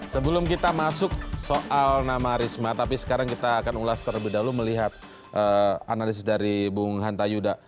sebelum kita masuk soal nama risma tapi sekarang kita akan ulas terlebih dahulu melihat analisis dari bung hanta yuda